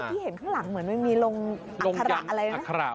ที่เห็นข้างหลังเหมือนมันมีลงอัคระอะไรนะ